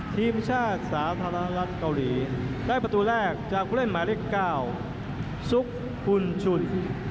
ทีมชาติสาธารณรัฐเกาหลีได้ประตูแรกจากผู้เล่นหมายเลข๙ซุกฮุนชุน